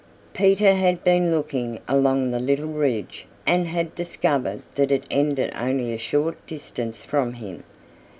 Peter had been looking along that little ridge and had discovered that it ended only a short distance from him.